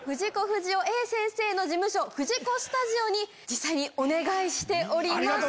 不二雄先生の事務所藤子スタジオに実際にお願いしております。